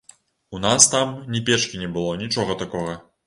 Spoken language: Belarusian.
У нас там ні печкі не было, нічога такога.